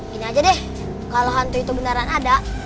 gini aja deh kalo nantabudok itu beneran ada